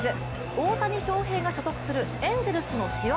大谷翔平が所属するエンゼルスの試合